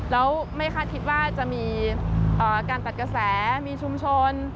แล้วไม่คาดคิดว่าจะมีการตัดกระแสมีชุมชน